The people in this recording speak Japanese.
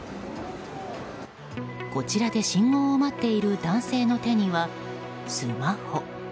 こちらで信号を待っている男性の手には、スマホ。